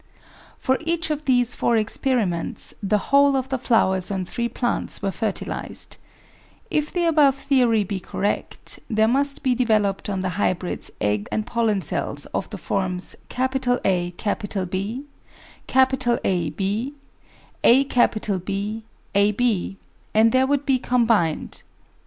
For each of these four experiments the whole of the flowers on three plants were fertilised. If the above theory be correct, there must be developed on the hybrids egg and pollen cells of the forms AB, Ab, aB, ab, and there would be combined: 1.